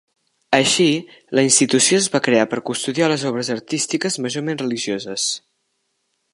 Així, la institució es va crear per custodiar les obres artístiques, majorment religioses.